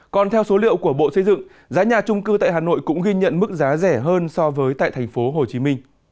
còn theo số liệu của bộ xây dựng giá nhà trung cư tại hà nội cũng ghi nhận mức giá rẻ hơn so với tại tp hcm